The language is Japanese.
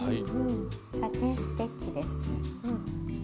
「サテン・ステッチ」です。